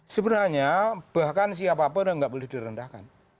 sebenarnya bahkan siapa apa nggak boleh direndahkan